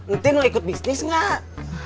ntin mau ikut bisnis enggak